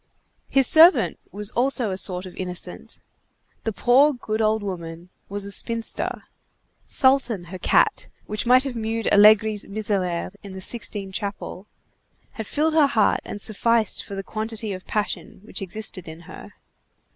His servant was also a sort of innocent. The poor good old woman was a spinster. Sultan, her cat, which might have mewed Allegri's miserere in the Sixtine Chapel, had filled her heart and sufficed for the quantity of passion which existed in her.